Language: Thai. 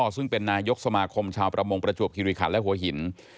ซึ่งเป็นนายกสมาคมชาวประมงประจวบคิริคันและหัวหิน